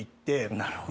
なるほど。